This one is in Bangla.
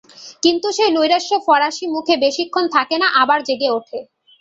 কিন্তু সে নৈরাশ্য ফরাসী মুখে বেশীক্ষণ থাকে না, আবার জেগে ওঠে।